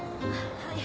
はい。